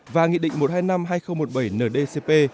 và nghị định một trăm hai mươi năm hai nghìn một mươi bảy ndcp